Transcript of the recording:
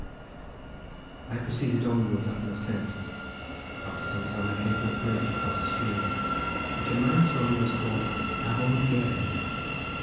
I proceeded onwards up an ascent; after some time I came to a bridge across a stream which a man told me was called Avon Gerres.